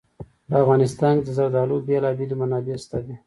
په افغانستان کې د زردالو بېلابېلې منابع شته دي.